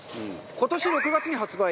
今年６月に発売。